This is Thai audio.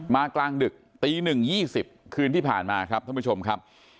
มากลางดึกตีหนึ่งยี่สิบคืนที่ผ่านมาครับท่านผู้ชมครับ